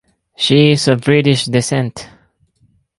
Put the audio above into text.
She is of British descent.